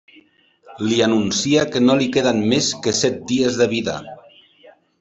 Li anuncia que no li queden més que set dies de vida.